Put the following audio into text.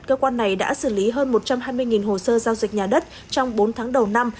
cơ quan này đã xử lý hơn một trăm hai mươi hồ sơ giao dịch nhà đất trong bốn tháng đầu năm